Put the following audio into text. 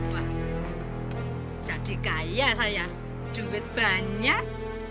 wah jadi kaya saya dumbet banyak